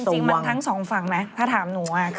แต่เอาจริงมันทั้งสองฝั่งไหมถ้าถามหนู